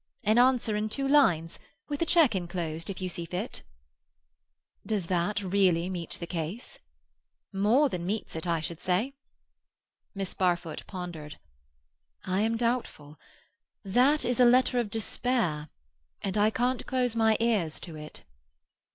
"An answer in two lines—with a cheque enclosed, if you see fit." "Does that really meet the case?" "More than meets it, I should say." Miss Barfoot pondered. "I am doubtful. That is a letter of despair, and I can't close my ears to it."